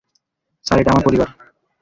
Sir, এটা আমার পরিবার!